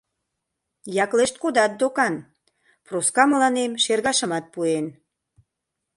Яклешт кодат докан, Проска мыланем шергашымат пуэн...